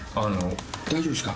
大丈夫ですか？